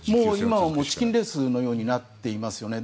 今はチキンレースのようになっていますよね。